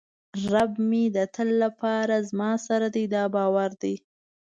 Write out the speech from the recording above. رب مې د تل لپاره زما سره دی دا باور دی.